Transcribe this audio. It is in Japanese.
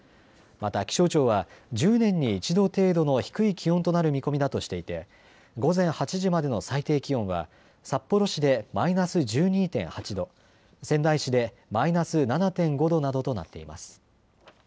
また、気象庁は１０年に一度程度の低い気温となる見込みだとしていて午前８時までの最低気温は札幌市でマイナス１２．８度仙台市でマイナス７．５度などとなっています。